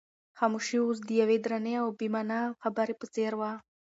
خاموشي اوس د یوې درنې او با مانا خبرې په څېر وه.